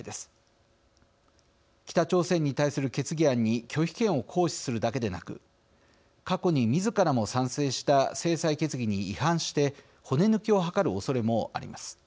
北朝鮮に対する決議案に拒否権を行使するだけでなく過去にみずからも賛成した制裁決議に違反して骨抜きを図るおそれもあります。